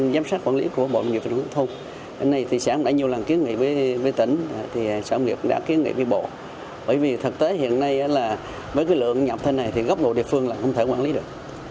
với tỉnh thì sở nghiệp đã kiến nghị vi bộ bởi vì thực tế hiện nay là với cái lượng nhập thế này thì góc độ địa phương là không thể quản lý được